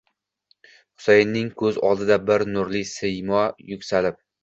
Husayinning ko'z oldida bu nurli siymo yuksalib